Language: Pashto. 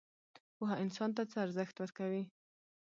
پوهه انسان ته څه ارزښت ورکوي؟